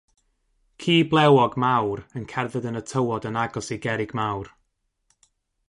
Ci blewog mawr yn cerdded yn y tywod yn agos i gerrig mawr.